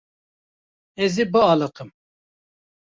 Ez ê bialiqim.